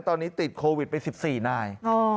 ตอนนี้ติดโควิดไป๑๔นาย